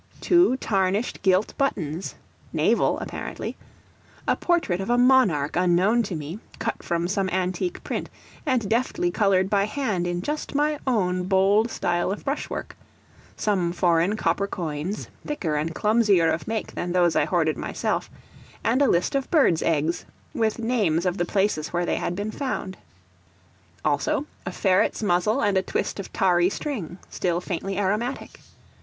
Two tarnished gilt buttons, naval, apparently, a portrait of a monarch unknown to me, cut from some antique print and deftly coloured by hand in just my own bold style of brush work, some foreign copper coins, thicker and clumsier of make than those I hoarded myself, and a list of birds' eggs, with names of the places where they had been found. Also, a ferret's muzzle, and a twist of tarry string, still faintly aromatic.